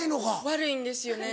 悪いんですよね。